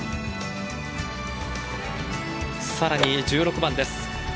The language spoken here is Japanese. さらに１６番です。